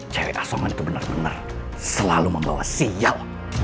cewek asongan itu bener bener selalu membawa sial